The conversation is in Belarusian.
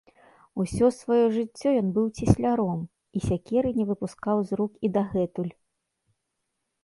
Усё сваё жыццё ён быў цесляром і сякеры не выпускаў з рук і дагэтуль.